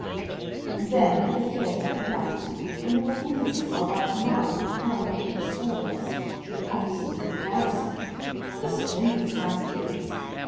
And then, at the Theatre at night, when the performances are by command of Colonel Fitz Sordust and the officers of the garrison—what a splendid sight it is!